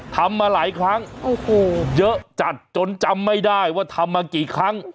ทำมาหลายครั้งโอ้โหเยอะจัดจนจำไม่ได้ว่าทำมากี่ครั้ง